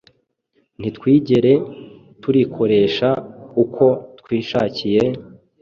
ntitwigere turikoresha uko twishakiye,